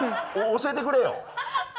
教えてくれよ。